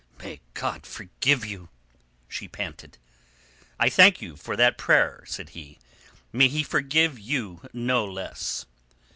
"May God forgive you," she panted. "I thank you for that prayer," said he. "May He forgive you no less."